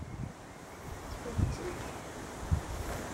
Teṭṭfeḍ-tt-id?